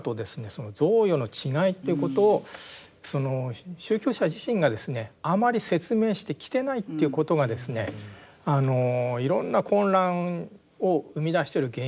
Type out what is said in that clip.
その贈与の違いということをその宗教者自身がですねあまり説明してきてないということがですねいろんな混乱を生み出してる原因じゃないかと。